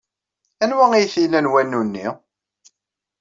Anwa ay t-ilan wanu-nni?